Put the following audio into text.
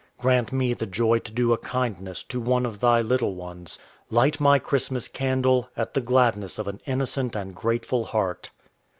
Grant me the joy to do a kindness to one of Thy little ones: Light my Christmas candle at the gladness of an innocent and grateful heart.